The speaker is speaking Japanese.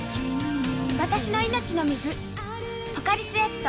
私の命の水ポカリスエット